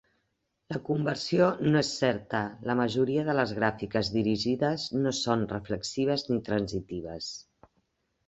La conversió no és certa: la majoria de les gràfiques dirigides no són reflexives ni transitives.